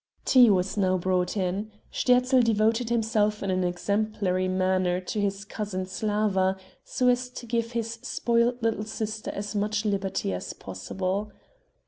Tea was now brought in; Sterzl devoted himself in an exemplary manner to his cousin Slawa, so as to give his spoilt little sister as much liberty as possible.